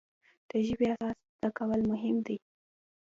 د ژبې اساس زده کول مهم دی.